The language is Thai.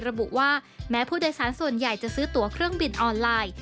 ระบุว่าแม้ผู้โดยสารส่วนใหญ่จะซื้อตัวเครื่องบินออนไลน์